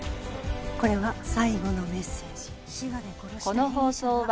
これは最後のメッセージ。